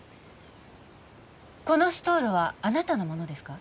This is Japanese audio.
このストールはあなたのものですか？